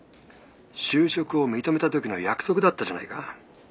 就職を認めた時の約束だったじゃないか。